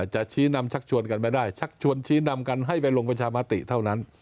ชี้นำชักชวนกันไม่ได้ชักชวนชี้นำกันให้ไปลงประชามติเท่านั้น